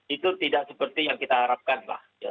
itu tidak seperti yang kita harapkan